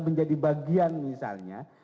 menjadi bagian misalnya